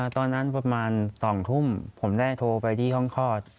ประมาณ๒ทุ่มผมได้โทรไปที่ห้องคลอด